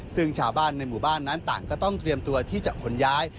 ซึ่งชาวบ้านในหมู่บ้านนั้นต่างก็ต้องเตรียมตัวที่จะขนย้าย